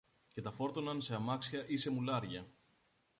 και τα φόρτωναν σε αμάξια ή σε μουλάρια